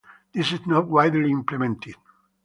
This is not widely implemented.